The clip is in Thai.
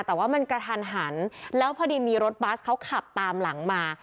แต่ว่ามันกระทันหันแล้วพอดีมีรถบัสเขาขับตามหลังมา